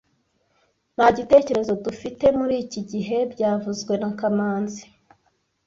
Nta gitekerezo ddufitemuri iki gihe byavuzwe na kamanzi